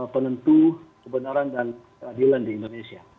penentu kebenaran dan keadilan di indonesia